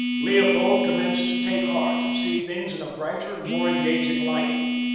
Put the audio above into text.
Leopold commenced to take heart and see things in a brighter and more engaging light.